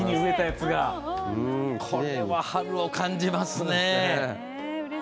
これは春を感じますね。